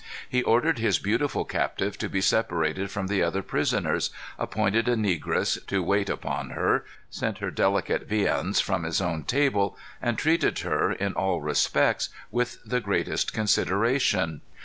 He ordered his beautiful captive to be separated from the other prisoners, appointed a negress to wait upon her, sent her delicate viands from his own table, and treated her, in all respects, with the greatest consideration.